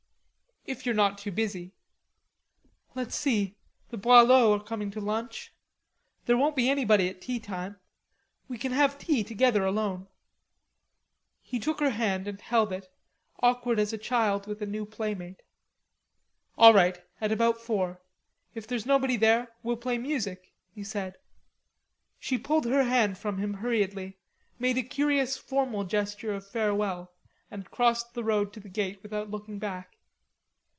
"If you're not too busy." "Let's see, the Boileaus are coming to lunch. There won't be anybody at tea time. We can have tea together alone." He took her hand and held it, awkward as a child with a new playmate. "All right, at about four. If there's nobody there, we'll play music," he said. She pulled her hand from him hurriedly, made a curious formal gesture of farewell, and crossed the road to the gate without looking back.